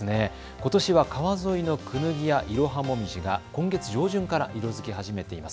ことしは川沿いのクヌギやイロハモミジが今月上旬から色づき始めています。